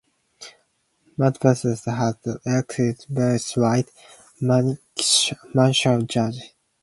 Mount Pleasant has an elected village-wide municipal judge.